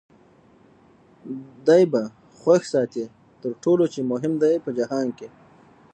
دی به خوښ ساتې تر ټولو چي مهم دی په جهان کي